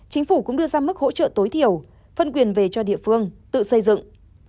chính phủ cũng đưa ra mức hỗ trợ tối thiểu phân quyền về cho địa phương tự xây dựng